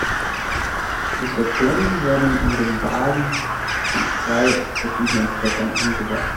Die Stationen werden in den Wagen von zwei verschiedenen Sprechern angesagt.